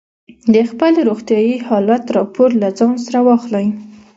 د خپل روغتیايي حالت راپور له ځان سره واخلئ.